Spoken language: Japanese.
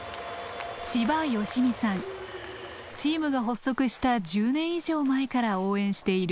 チームが発足した１０年以上前から応援している。